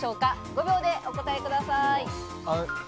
５秒でお答えください。